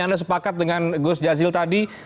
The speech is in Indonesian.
anda sepakat dengan gus jazil tadi